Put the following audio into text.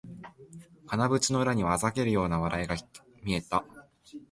金縁の裏には嘲るような笑いが見えた